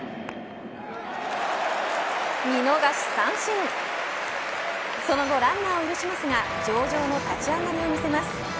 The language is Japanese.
見逃し三振その後ランナーを許しますが上々の立ち上がりを見せます。